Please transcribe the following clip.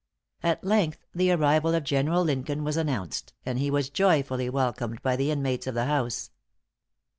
At length the arrival of General Lincoln was announced; and he was joyfully welcomed by the inmates of the house.